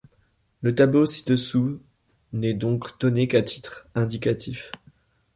Le tableau ci-dessous n'est donc donné qu'à titre indicatif.